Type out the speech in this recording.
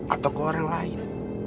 atau ke orang lain